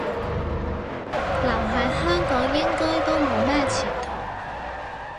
留喺香港應該都冇咩前途